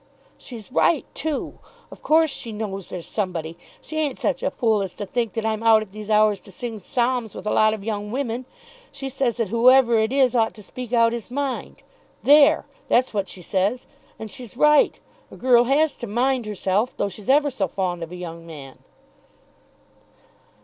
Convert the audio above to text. "She's right too. Of course she knows there's somebody. She ain't such a fool as to think that I'm out at these hours to sing psalms with a lot of young women. She says that whoever it is ought to speak out his mind. There; that's what she says. And she's right. A girl has to mind herself, though she's ever so fond of a young man."